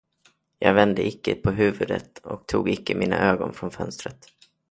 Jag vände icke på huvudet och tog icke mina ögon från fönstret.